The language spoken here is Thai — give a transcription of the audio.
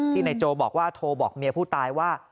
ที่ในโจว์บอกว่าโทรบอกเมียผู้ตายว่า